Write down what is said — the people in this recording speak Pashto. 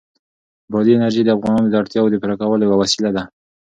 بادي انرژي د افغانانو د اړتیاوو د پوره کولو یوه وسیله ده.